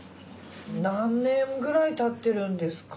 何年くらい経ってるんですか？